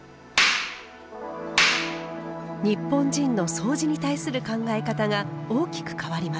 日本人のそうじに対する考え方が大きく変わります。